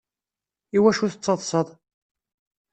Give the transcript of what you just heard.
Iwacu tettaḍsaḍ?